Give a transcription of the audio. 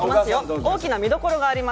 大きな見どころあります。